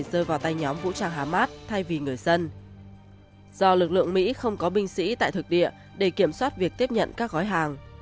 do lực lượng mỹ không có binh sĩ tại thực địa để kiểm soát việc tiếp nhận các gói hàng